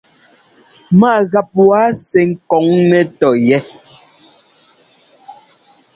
Ma gap waa sɛ́ ɛ́kɔŋ nɛ́ tɔyɛ́.